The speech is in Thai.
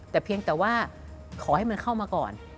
แต่เพียงแต่ว่าขอให้มันเข้ามาก่อน